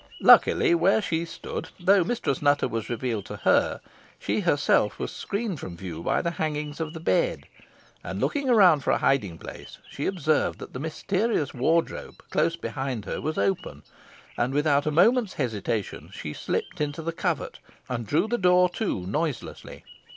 Luckily, where she stood, though Mistress Nutter was revealed to her, she herself was screened from view by the hangings of the bed, and looking around for a hiding place, she observed that the mysterious wardrobe, close behind her, was open, and without a moment's hesitation, she slipped into the covert and drew the door to, noiselessly.